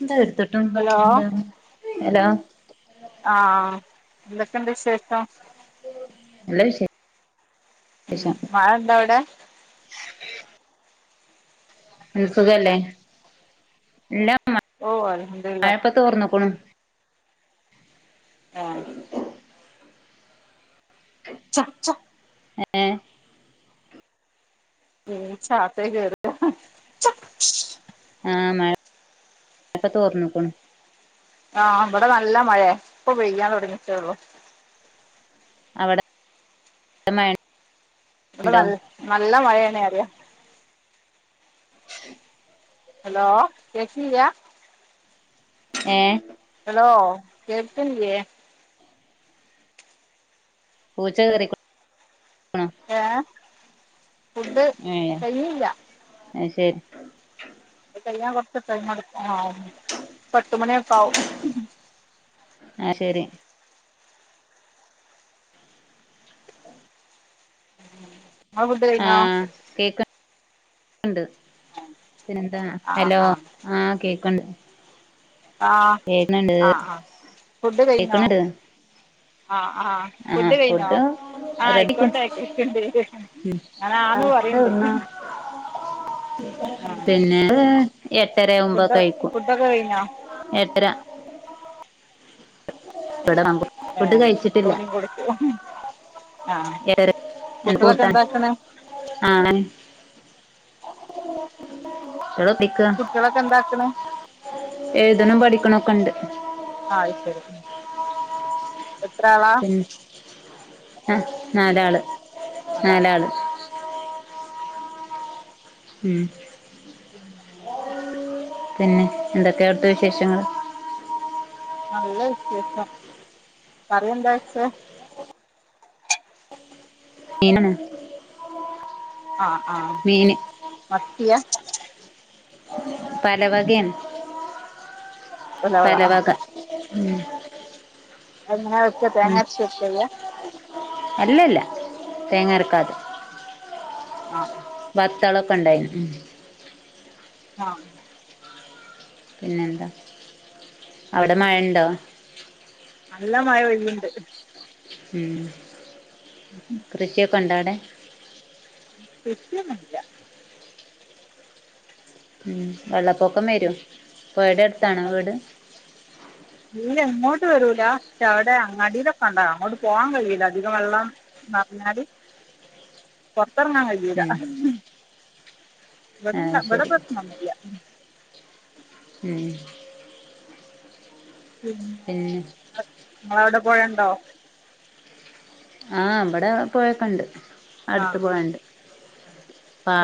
എന്താ എടുത്തിട്ടും hello hello ആഹ് എന്തൊക്കെണ്ട് വിശേഷം? നല്ലെ വിശേഷ ഉം മഴണ്ടോ അവിടെ? മ് സുഖല്ലേ ഇല്ല ഓ അൽഹംദുലില്ലാ മഴപ്പം തോർന്ന്ക്ക്ണ്. ആഹ് ച്ചാ ച്ചാ എ ഏ പൂച്ച അകത്തേ കേറും. ആ മഴ മഴപ്പ തോർന്നുക്കുണു. ആ വടെ നല്ല മഴെ ഇപ്പൊ പെയ്യാൻ തൊടങ്ങീട്ടൊള്ളൂ. അവടെ. ബെടെ ഉണ്ടോ നൽ നല്ല മഴയാണെറിയാ. [unintelligible] ഹലോ കേക്കില്ല്യ ഏ. ഹലോ കേൾക്കണ്ല്ല്യ? പുച്ചകേറിക്കു ണോ? ഏ ഫുഡ് കഴിഞ്ഞില്ല. അയ് ശെരി. ത് കെയ്യാൻ കൊറച്ച് ടൈമട് ആവും പത്തുമണിഒക്കാവും. ആ ശരി. ങ്ങളെ ഫുഡ്‌ ആ കയ്ഞ്ഞോ? കേക്ക്ണ്ട് പിന്നെന്താ ആഹ് ഹലോ ആഹ് ആ കേക്ക്ണ്ട്. ആ കേക്ക്ണ്ട് ആആ ഫുഡ് കയ്ഞ്ഞോ കേക്ക്ണ്ട് ആ ആ. ആ ഫുഡും [unintelligible] അത് റെഡി അയിക്കുൺ കേക്ക്ണ്ട് ഉം ഞാൻ ആ ആന്ന് പറയ്ണ്ട് എവിടുന്നാ? ആഹ് പിന്നെ എട്ടരവുമ്പോ ഫുഡ് കഴിക്കും ഫുഡൊക്കെ കഴിഞ്ഞോ എട്ടര. ഇവടെ നമ്പു ഏ ഇപ്പൊവടേം കൊടുക്കോ ആ കുട്ടികളൊക്കെ എന്താക്കണെ? ആണെൻ. കുട്ടെല് എത്തിക്ക കുട്ടികളൊക്കെ എന്താക്ക്ണ് എഴുതുണൂ പഠിക്കുണോക്കൊണ്ട് ആ അയ് ശെരി എത്രാളാ? അ ആ നാലാള്. അതാണ് നാലാള് ഉം [unintelligible] തന്നെ എന്തൊക്കെ അവ്ടത്തെ വിശേഷങ്ങള് നല്ല വിശേഷം കറി എന്താ വെച്ചേ? മീനെന്നെ ആ ആ മീന് മത്തിയാ പലവകേണ് ഉലവ ആഹ് പലവക ഉം അത്ങ്ങനേ ഉം അല്ലല്ല തേങ്ങ അരക്കാതെ ആ വത്തളൊക്കെണ്ടായിന് ഉം ആ പിന്നെന്താ അവ്ടെ മഴണ്ടോ? നല്ല മഴ പെയ്യ്ണ്ട് ഉം മ് കൃഷിയൊക്കൊണ്ടോ അവടെ? കൃഷിയൊന്നൂല്ല ഉം വെള്ളപ്പൊക്കം വരും പൊഴടട്ത്താണോ വീട്? [inaudible] തീലെ ഇങ്ങോട്ട് വരൂല ക്ഷെ അവടെ അങ്ങാടീലൊക്കെണ്ടാവു അങ്ങോട്ട് പോവാൻ കയ്യൂല അധിക വെള്ളം പർഞ്ഞാൽ പൊറത്തെർങ്ങാൻ കയ്യൂല ഉം ആഹ് ഇവ്ട്ണ്ടാ ഇവിട ശരി പ്രശ്നൊന്നുല ഉം ഉം പിന്നെ അവിടെ പൊഴണ്ടോ? ആഹ് ഇബ്ടെ പൊയക്ക്ണ്ട് ആ ആ അടുത്ത് പൊയണ്ട്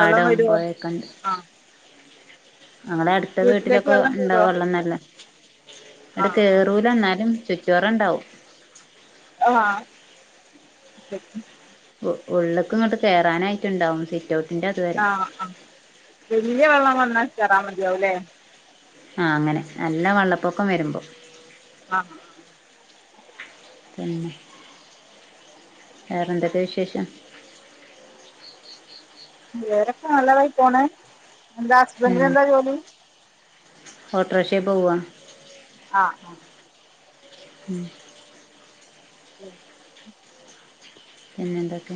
വെള്ളം വരുമോ പൊയൊക്ക്ണ്ട് ആ ഞങ്ങളെ അട്ത്ത വീട്ടിലേക്ക് വീട്ടിലൊക്കെ വെള്ളം കയറുമോ ഉണ്ടാവെള്ളം നല്ലെ ആ ഇടെ കേറൂല എന്നാലും ചുറ്റോറ ഇണ്ടാവും ആഹ് ഉ ഉള്ള്ക്ക്ങ്ട്ട് കേറാനായിട്ട് ഇണ്ടാവും സിറ്റ്ഔട്ട് ആഹ് ആഹ് വലിയ വെള്ളം വന്നാൽ കേറ മതിയാവുംല്ലേ ആഹ് അങ്ങനെ നല്ല വെള്ളപ്പൊക്കം വരുമ്പോ ആഹ് പിന്നെ വേറെന്തൊക്കെ വിശേഷം വേറൊക്കെ നല്ലതായി പോണെ എന്താ ഹസ്ബന്റിന് എന്താ ജോലി? ഓട്ടോറിക്ഷെ പോവാ ആഹ് ഉം ശരി പിന്നെന്തൊക്കെ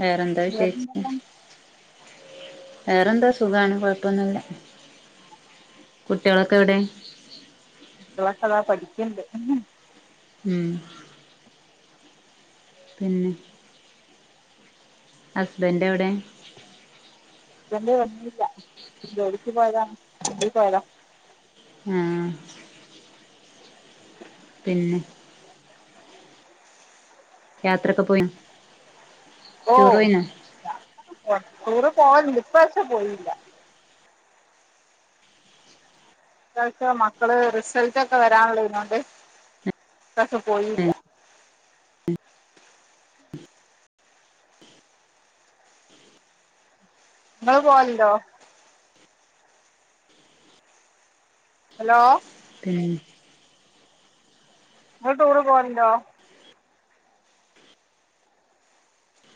വേറെന്താ വിശേഷിച്ച് വേറെന്തെല്ലാം വേറെന്താ സുഖാണ് കൊഴ്പ്പൊന്നുല്ല കുട്ടികളൊക്കെ എവിടെ? കുട്ട്യേളൊക്കെ അതാ പഠിക്ക്ണ്ട് ഉം പിന്നെ ഹസ്ബൻഡ് എവിടെ ഹുസ്ബൻഡ് വന്നില്ല ജോലിക്ക് പോയതാണ് വണ്ടി പോയതാ ആഹ് പിന്നെ യാത്രൊക്കെ പോയാ ഓ യാത്രയോക്കെ ടൂറ് പോവാൻ ഇപ്പ വർഷം പോയില്ല അക്ക മക്കള് റിസൾട്ട ഒക്കെ വരാനുള്ള ഇതൊണ്ട് ഈ പ്രാവശ്യം പോയില്ല ഏഹ് നിങ്ങള് പോവലുണ്ടോ ഹലോ പിന്നെ നിങ്ങ ടൂറ് പോവലുണ്ടോ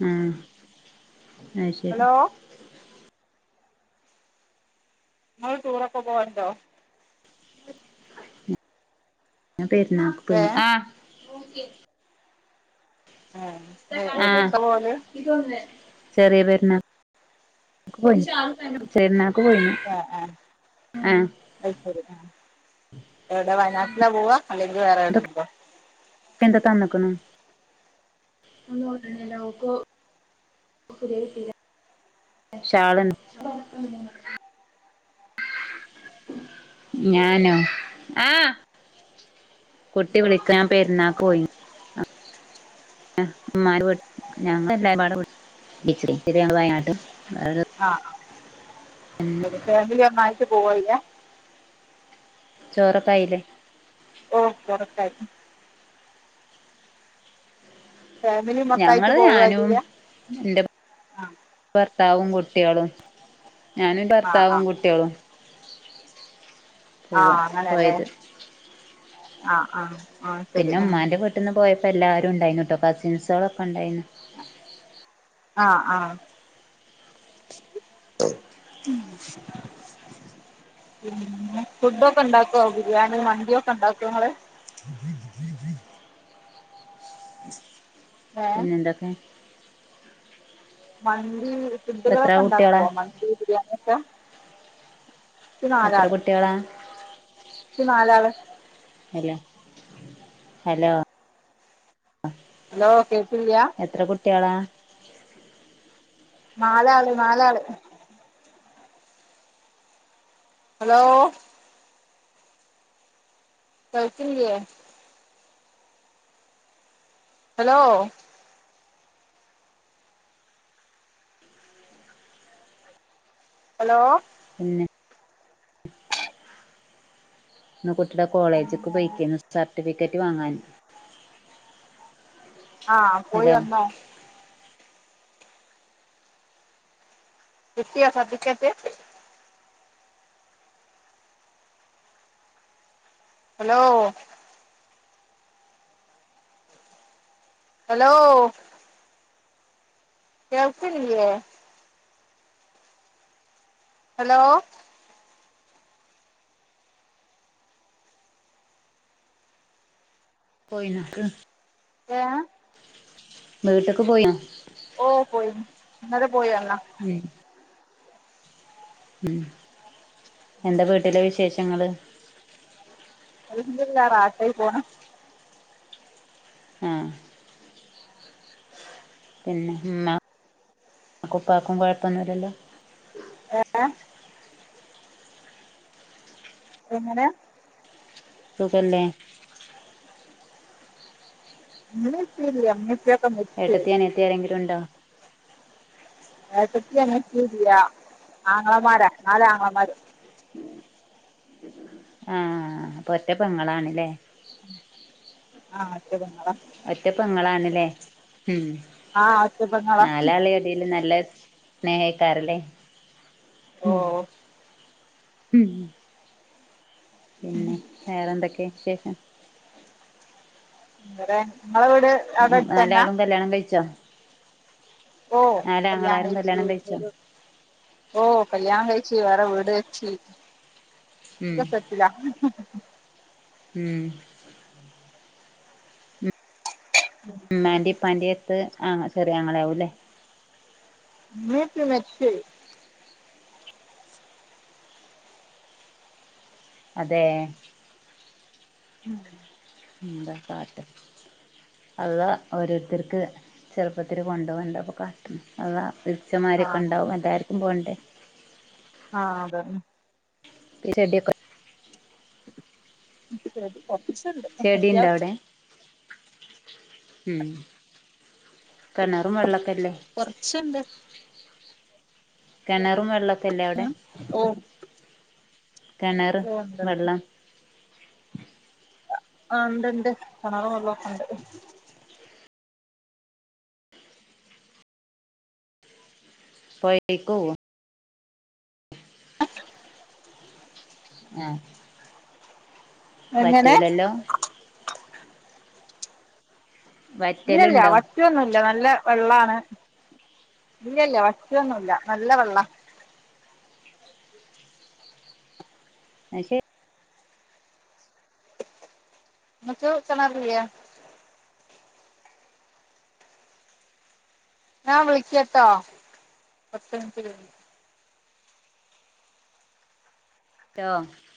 ഉം ആഹ് ശരി ഹലോ നമ്മൾ ടൂറൊക്കെ പോവണ്ടോ പെരുന്നാക്ക് ഏ പോയിരുന്നു ആഹ് ആഹ് എവിടേക്കാ പോവല് ചെറിയ പെരുന്നാൾക്ക് പോയിനി ശേ എന്നക്ക് പോയിരുന്നു ആ ആ ആഹ് അത് ശരി ആഹ് എവിടെ വയനാട്ടിലാ പോവാ അല്ലെങ്കിൽ വേറെ എവിടെ ഇതൊക്കെ ഉണ്ടോ എന്താ തന്നക്കണ ഒന്ന് ഒടനെല്ലാവക്കോ ശാളൻ ഞാനോ ആഹ് കുട്ടി വിളിക്കാൻ പെരുന്നാക്ക് പോയി ആ്് ഞും ഇിച്ചി ഇിരിയാ വയനാട്ടും ആ ഒരു ഫാമിലി ഒന്നായിട്ട് പോവല്ല ചോറക്കായില്ല ഓ ബറത്ത ആായിട്ട ഫാമിലി ഞങ്ങള് മൊത്തായിട്ട് പോവുക ഞാനും ചെയ്യാ എന്റെ ആ ഭർത്താവും കുട്ടികളും ഞാന് ആ ആ ഭർത്താവും കുട്ടികളും ആഹ പോവാ അങ്ങനല്ലേ പോയത് ആഹ ആഹ പിന്നെ ഉ്മാൻന്റെറെീട്ട നിന്ന് പോയപ്പോ എല്ലാവുംണ്ടായിന്ന് കേട്ടോ കസിൻസുകളളൊക്കെ ഉണ്ടായിരുന്നു ആ ആ [inaudible] ഉ ഫുഡ ഒക്കെ ഇണ്ടാക്കുവോ ബിരിയാണി വണ്ടിയ ഒക്കെ ഉണ്ടാക്കോ നിങ്ങള് ബ ഇ ഏ പിന്നെ എന്തൊക്കെ മണ്ടി എത്ര ഫുഡുകളൊക്കെ കുട്ടികളാ ഉണ്ടാക്കുവ മണ്ടി ബിരിയാണിൊക്കെ ഈ എത്ര നാലാള് കുട്ടികളാ ഈ നാലാള് ഹലോ ഹലോ ഹലോ കേൾക്കുന്നില്യാ എത്ര കുട്ടികളാ മാല ആള് മാലാള് ഹലോ കഴത്തിേ ഹലോ ഹലോ പിന്നെ ഇ കുട്ടിയുടെ കോളേജക്ക് പിന്നെ പോയിക്ക സർട്ടിഫിക്കറ്റ് വാങ്ങാൻ ആഹ് പോയി ഹലോ തന്നോ എത്തിയോ സർട്ടിക്കറ്റ് ഹലോ ഹലോ കേൾക്ക്ന്നില്ലേ ഹലോ പോയി നോക്ക് ഏഹ് വീട്ട്ക്ക് പോയോ ഓ പോയിന്ന് ഇന്നലെ പോയല്ലോ [unintelligible] ഉം എന്താ വീട്ടില് വിശേഷങ്ങള് എന്തുല്ല റാഹത്തായി പോന്ന് ആഹ് പിന്നെ ഇമ്മ ഉപ്പക്കും കുഴപ്പൊന്നുല്ലല്ലോ ഏഹ് എങ്ങനെ സുഖല്ലേ ഇന്നലെ എത്തിയില്ല [unintelligible] ഏട്ടത്തി അനിയത്തി ആരെങ്കിലും ഉണ്ടോ എട്ടത്തി അനിയത്തി ഇല്ല ആങ്ങളമാര നാല് ആങ്ങളമാരും ആഹ് അപ്പൊ ഒറ്റ പെങ്ങളാണല്ലേ ആഹ് ഒറ്റ പെങ്ങള ഒറ്റ പൊങ്ങളാണ് ല്ലേ ഉം ആ ഒറ്റ പെങ്ങളാ നാലാളി എടേല് നല്ല സ്നേഹെയ്ക്കാരല്ലേ ഓ ഉം ഉം പിന്നെ വേറെ എന്തൊക്കെ വിശേഷം വേറെ ഇങ്ങളെ വീട് അവിടെ ഉം അടുത്തന്നാ നാലാളും കല്യാണം കഴിച്ചോ ഓഹ് കല്യാണം നാലാങ്ങളാരും കഴിച്ച് കഴിച്ചോ ഒരു ഓഹ് കല്യാണം കഴിച്ച് വേറെ വീട് വെച്ച് ഉം ഇതൊക്കെ ല്ല ഉം ഇമ്മാന്റിം ഇപ്പാന്റി എട്ത്ത് ആ ചെറിയ ആങ്ങള ആവൂല്ലേ ഇമ്മിം ഇപ്പിം മരിച്ചോയി അതേ ഉം എന്താ കാട്ടാ അളളാ ഓരോരുത്തർക്ക് ചെറുപ്പത്തിൽ കൊണ്ടോവ എന്താപ്പോ കാട്ട്ന്ന് അള്ളാ വിധിച്ച മാതിരി ആ ഒക്കെ ഇണ്ടാവും അതെ എല്ലാർക്കും പോണ്ടേ ആഹ് അതെന്നെ ഇപ്പൊ ഈ ചെടിയൊക്കെ ഇൻക്ക് പേടി ചെടിണ്ടോ അവിടെ ഉം കെണറും വള്ളൊക്കെല്ലേ കൊർച്ച്ണ്ട് കെണറും വെള്ളൊക്കല്ലേ അവിടെ ഓ കെണറ് ഉണ്ട്ണ്ട് വെള്ളം ആഹ് ഇണ്ട് ഇണ്ട് കെണറും വെള്ളൊക്കെണ്ട് പൊഴേക്ക് പോവോ ആഹ് എങ്ങനെ വറ്റൂലല്ലോ ഇല്ലല്ല വറ്റലുണ്ടോ വ റ്റൊന്നുല്ല നല്ല വെള്ളാണ് ഇല്ലല്ല വറ്റൊന്നുല്ല നല്ല വെള്ളാ അയ്ശെ ഇങ്ങക്ക് കെണറില്ലേ ഞാൻ വിളിക്കട്ടോ പത്ത് മിൻറ്റ് കഴിഞ്ഞ് ലോ